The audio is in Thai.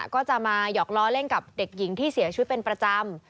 ก็จะมาหยอกล้อเล่นกับเด็กหญิงที่เสียชีวิตเป็นประจำ